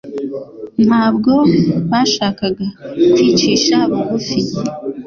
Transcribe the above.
Ntabwo bashakaga kwicisha bugufi